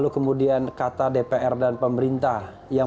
walaupun mungkin kata pembentuk undang undang maksudnya dua persoalan